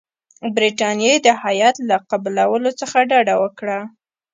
د برټانیې د هیات له قبولولو څخه ډډه وکړه.